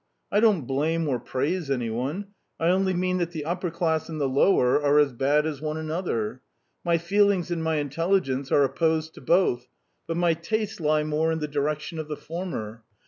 I don't blame or praise any one: I only mean that the upper class and the lower are as bad as one another. My feelings and my intelligence are opposed to both, but my tastes lie more in the direction of the former.